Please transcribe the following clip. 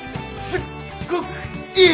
すっごくいい！